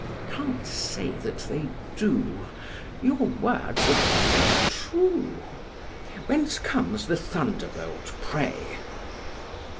STREPS. Can't say that they do: your words appear true. Whence comes then the thunderbolt, pray?